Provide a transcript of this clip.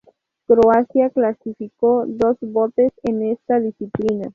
Croacia clasificó dos botes en esta disciplina.